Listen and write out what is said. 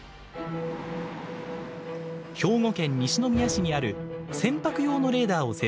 兵庫県西宮市にある船舶用のレーダーを製造する会社です。